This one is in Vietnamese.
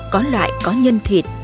có loại có nhân thịt